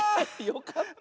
よかった！